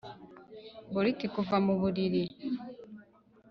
bolt kuva mubururu